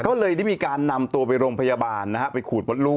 ก็เลยได้มีการนำตัวไปโรงพยาบาลนะฮะไปขูดมดลูก